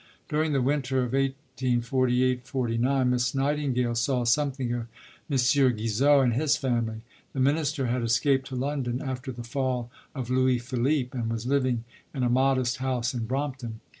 During the winter of 1848 49 Miss Nightingale saw something of M. Guizot and his family. The Minister had escaped to London after the fall of Louis Philippe, and was living in a modest house in Brompton.